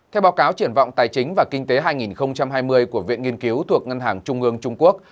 theo báo cáo triển vọng tài chính và kinh tế hai nghìn hai mươi của viện nghiên cứu thuộc ngân hàng trung ương trung quốc